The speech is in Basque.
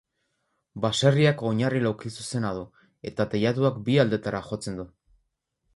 Baserriak oinarri laukizuzena du eta teilatuak bi aldetara jotzen du.